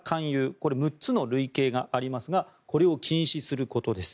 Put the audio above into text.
これは６つの類型がありますがこれを禁止することです。